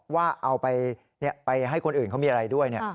ว่าเอาไปให้คนอื่นเขามีอะไรด้วย